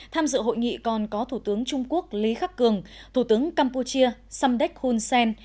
tham dự hội nghị còn có thủ tướng trung quốc lý khắc cường thủ tướng campuchia samdek hun sen